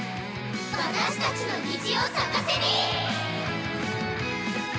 私たちの虹を咲かせに！